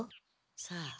さあ。